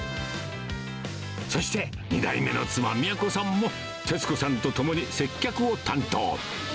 そして、２代目の妻、みやこさんも、節子さんと共に接客を担当。